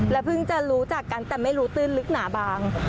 เพิ่งจะรู้จักกันแต่ไม่รู้ตื้นลึกหนาบาง